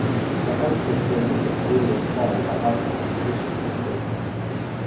The house was built in the Palladian style by architect Joseph Pickford.